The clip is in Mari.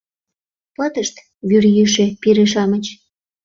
Пытышт вӱрйӱшӧ пире-шамыч